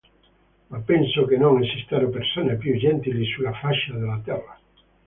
Ma penso che non esistano persone più gentili sulla faccia della Terra.